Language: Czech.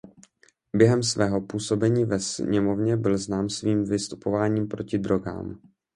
Během svého působení ve sněmovně byl znám svým vystupováním proti drogám.